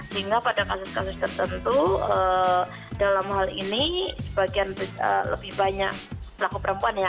sehingga pada kasus kasus tertentu dalam hal ini sebagian lebih banyak pelaku perempuan ya